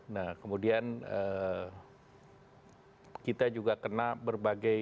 nah kemudian kita juga kena berbagai